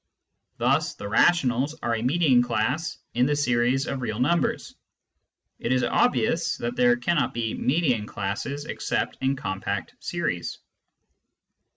Thus the rationals are a median class in the series of real numbers. It is obvious that there cannot be median classes except in compact series.